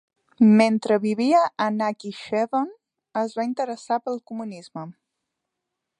Mentre vivia a Nakhichevan, es va interessar pel comunisme.